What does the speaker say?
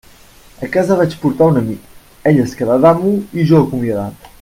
A casa vaig portar un amic; ell es quedà d'amo i jo acomiadat.